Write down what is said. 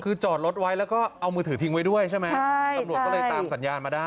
คือจอดรถไว้แล้วก็เอามือถือทิ้งไว้ด้วยใช่ไหม